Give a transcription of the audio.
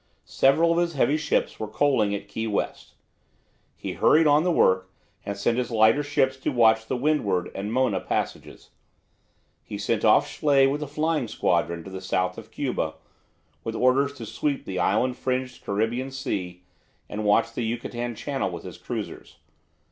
Several of his heavy ships were coaling at Key West. He hurried on the work, and sent his lighter ships to watch the Windward and Mona Passages. He sent off Schley with the Flying Squadron to the south of Cuba, with orders to sweep the island fringed Caribbean sea and watch the Yucatan Channel with his cruisers.